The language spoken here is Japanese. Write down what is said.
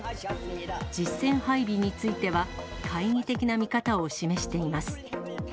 実戦配備については、懐疑的な見方を示しています。